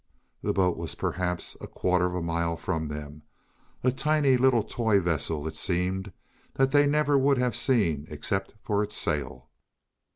The boat was perhaps a quarter of a mile from them a tiny little toy vessel, it seemed, that they never would have seen except for its sail.